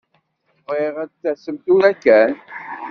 Bɣiɣ ad d-tasem tura kan.